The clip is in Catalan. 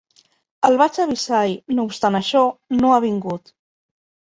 El vaig avisar i, no obstant això, no ha vingut.